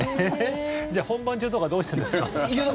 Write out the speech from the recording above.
じゃあ、本番中とかどうしてるんですか？